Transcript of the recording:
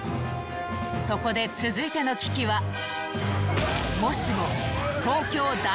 そこで続いての危機はえ